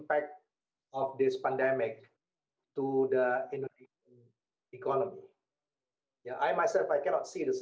apakah pertanyaannya adalah